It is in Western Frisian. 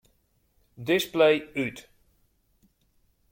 Display út.